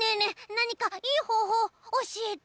なにかいいほうほうおしえて！